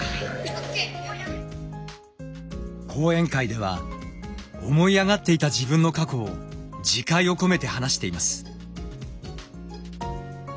講演会では思い上がっていた自分の過去を自戒を込めて話しています。